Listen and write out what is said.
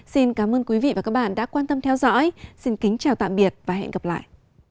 xin cảm ơn quý vị và các bạn đã quan tâm theo dõi xin kính chào tạm biệt và hẹn gặp lại